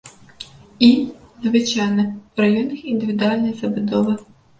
І, звычайна, у раёнах індывідуальнай забудовы.